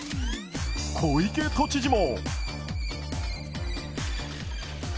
小池都知事も。